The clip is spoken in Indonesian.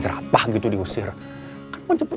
cerapah gitu diusir kan mencubut